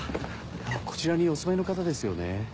こちらにお住まいの方ですよね？